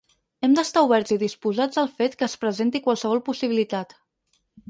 Hem d’estar oberts i disposats al fet que es presenti qualsevol possibilitat.